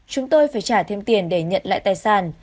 chúng tôi phải trả thêm tiền để nhận lại tài sản